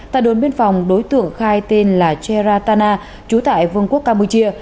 tại đồn biên phòng đối tượng khai tên là cheratana trú tại vương quốc campuchia